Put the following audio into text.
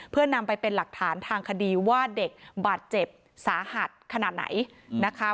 เพื่อนำไปเป็นหลักฐานทางคดีว่าเด็กบาดเจ็บสาหัสขนาดไหนนะคะ